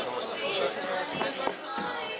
よろしくお願いします